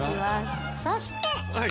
そして！